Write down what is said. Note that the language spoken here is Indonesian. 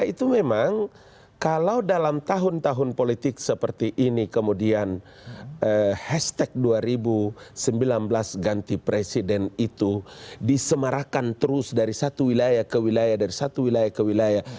itu memang kalau dalam tahun tahun politik seperti ini kemudian hashtag dua ribu sembilan belas ganti presiden itu disemarakan terus dari satu wilayah ke wilayah dari satu wilayah ke wilayah